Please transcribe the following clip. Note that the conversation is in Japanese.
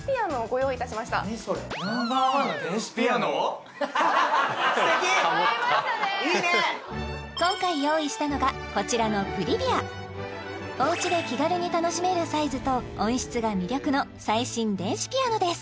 合いましたね今回用意したのがこちらのＰｒｉｖｉａおうちで気軽に楽しめるサイズと音質が魅力の最新電子ピアノです